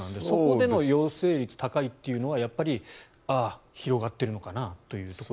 そこでの陽性率が高いというのはああ、広がっているのかなと。